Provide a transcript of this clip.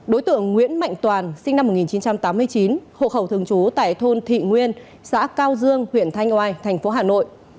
đối tượng nguyễn mạnh toàn sinh năm một nghìn chín trăm tám mươi chín hồ hầu thường trú tại thôn thị nguyên xã cao dương huyện thanh oai thành phố hà nội